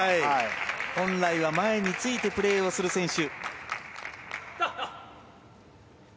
本来は前についてプレーする選手。